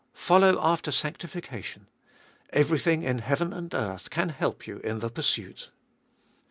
Follow after sanctifi cation ; everything in heaven and earth can help you in the pursuit.